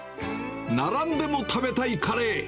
並んでも食べたいカレー。